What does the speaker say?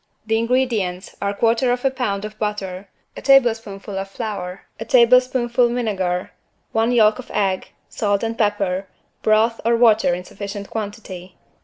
The ingredients are 1/4 lb. of butter, a tablespoonful of flour, a tablespoonful vinegar, one yolk of egg, salt and pepper, broth or water in sufficient quantity.